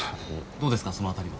どうですかそのあたりは。